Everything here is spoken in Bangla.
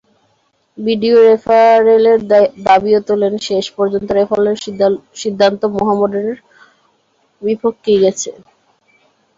ভিডিও রেফারেলের দাবিও তোলেন, শেষ পর্যন্ত রেফারেলের সিদ্ধান্ত মোহামেডানের বিপক্ষেই গেছে।